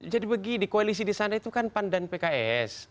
jadi begini koalisi di sana itu kan pandan pks